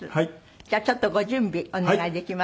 じゃあちょっとご準備お願いできますか？